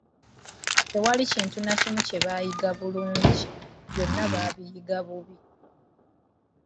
Tewali kintu na kimu kye bayiga bulungi, byonna babiyiga bubi.